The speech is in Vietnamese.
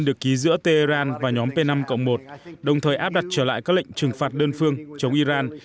được ký giữa tehran và nhóm p năm một đồng thời áp đặt trở lại các lệnh trừng phạt đơn phương chống iran